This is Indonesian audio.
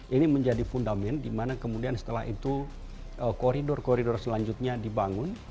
ini menjadi fundament di mana kemudian setelah itu koridor koridor selanjutnya dibangun